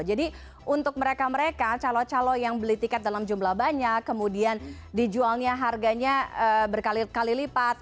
jadi untuk mereka mereka calo calo yang beli tiket dalam jumlah banyak kemudian dijualnya harganya berkali kali lipat